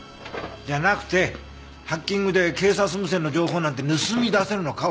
じゃなくてハッキングで警察無線の情報なんて盗み出せるのかを聞いてるの。